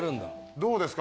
どうですか？